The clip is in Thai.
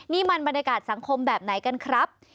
นี่มันบรรยากาศสังคมแบบไหนกันครับ